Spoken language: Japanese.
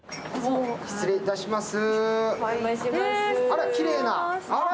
失礼いたします。